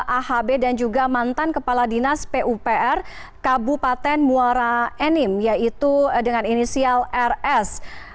ahb dan juga mantan kepala dinas pupr kabupaten muara enim yaitu dengan inisial rs